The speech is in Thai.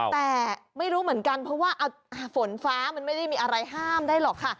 แต่ไม่รู้เหมือนกันเพราะว่าฝนฟ้ามันไม่ได้มีอะไรห้ามได้หรอกค่ะ